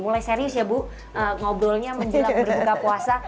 mulai serius ya bu ngobrolnya menjelang berbuka puasa